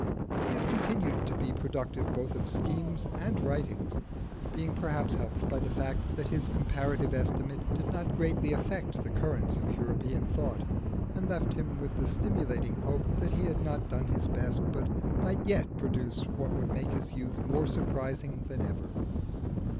He has continued to be productive both of schemes and writings, being perhaps helped by the fact that his 'Comparative Estimate' did not greatly affect the currents of European thought, and left him with the stimulating hope that he had not done his best, but might yet produce what would make his youth more surprising than ever.